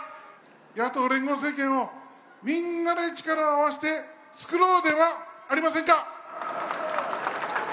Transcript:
野党連合政権を、みんなで力を合わせて作ろうではありませんか。